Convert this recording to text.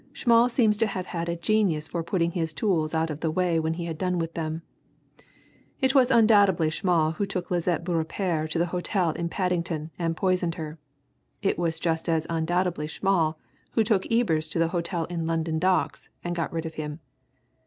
"Schmall seems to have had a genius for putting his tools out of the way when he had done with them. It was undoubtedly Schmall who took Lisette Beaurepaire to that hotel in Paddington and poisoned her; it was just as undoubtedly Schmall who took Ebers to the hotel in London Docks and got rid of him.